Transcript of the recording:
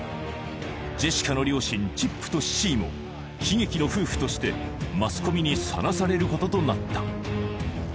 ジェシカの両親チップとシシーも悲劇の夫婦としてマスコミにさらされることとなった